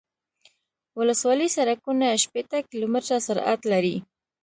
ولسوالي سرکونه شپیته کیلومتره سرعت لري